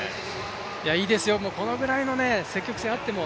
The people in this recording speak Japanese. いいですよ、このぐらいの積極性あっても。